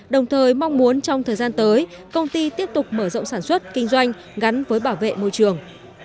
đồng thời mong muốn trong thời gian tới công ty tiếp tục mở rộng sản xuất kinh doanh gắn với bảo vệ môi trường